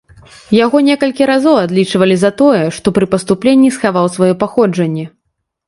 Яго некалькі разоў адлічвалі за тое, што пры паступленні схаваў сваё паходжанне.